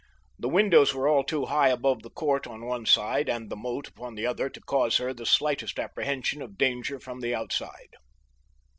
The windows were all too high above the court on one side and the moat upon the other to cause her the slightest apprehension of danger from the outside.